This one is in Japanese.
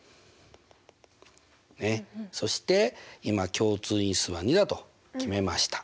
そして今共通因数は２だと決めました。